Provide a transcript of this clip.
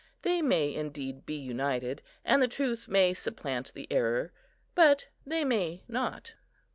They may indeed be united, and the truth may supplant the error; but they may not.